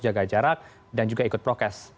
jaga jarak dan juga ikut prokes